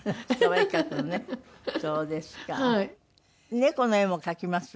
猫の絵も描きます？